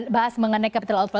bahas mengenai capital outflow